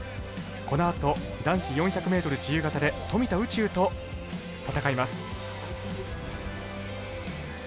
このあと、男子４００ｍ自由形で富田宇宙と戦います。